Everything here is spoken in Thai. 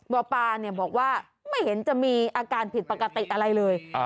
หมอปลาบอกว่าไม่เห็นจะมีอาการผิดปกติอะไรเลย